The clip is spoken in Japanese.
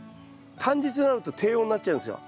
短日になると低温になっちゃうんですよ。